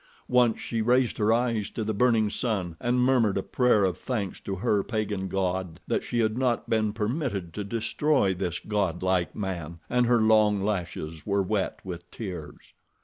Once she raised her eyes to the burning sun and murmured a prayer of thanks to her pagan god that she had not been permitted to destroy this godlike man, and her long lashes were wet with tears.